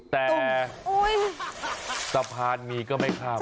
แต่สะพานมีก็ไม่เข้า